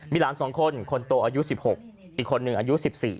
มีหลาน๒คนคนโตอายุ๑๖อีกคนหนึ่งอายุ๑๔